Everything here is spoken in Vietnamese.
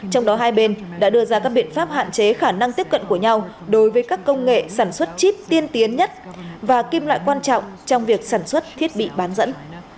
trong đó hai bên đã đưa ra các biện pháp hạn chế khả năng tiếp cận của nhau đối với các công nghệ sản xuất chip tiên tiến nhất và kim loại quan trọng trong việc sản xuất thiết bị bán dẫn